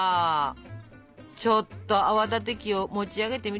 ちょっと泡立て器を持ち上げてみてちょ。